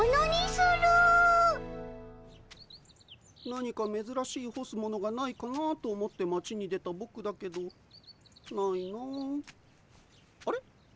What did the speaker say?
何かめずらしいほすものがないかなと思って町に出たぼくだけどないなああれ？